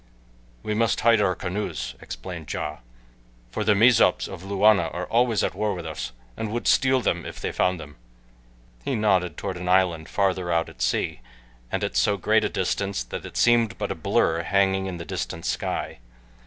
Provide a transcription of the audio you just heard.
"We must hide our canoes," explained Ja, "for the Mezops of Luana are always at war with us and would steal them if they found them," he nodded toward an island farther out at sea, and at so great a distance that it seemed but a blur hanging in the distant sky.